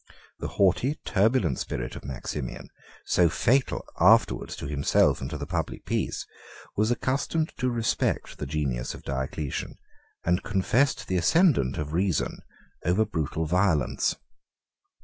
The haughty, turbulent spirit of Maximian, so fatal, afterwards, to himself and to the public peace, was accustomed to respect the genius of Diocletian, and confessed the ascendant of reason over brutal violence.